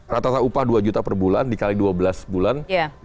rata rata upah dua juta per bulan dikali dua belas bulan